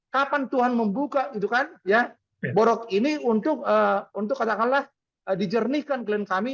kapan tuhan membuka borok ini untuk dijernihkan ke lelaki kami